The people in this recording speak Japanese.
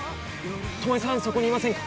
巴さん、そこにいませんか？